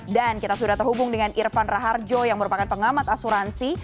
dan kita sudah terhubung dengan irfan raharjo yang merupakan pengamat asuransi